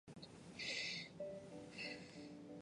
对游离病毒颗粒无直接作用。